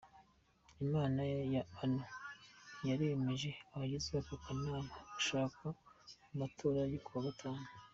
Inama ya Onu yaremeje abagize ako kanama bashasha mu matora yo ku wa gatanu.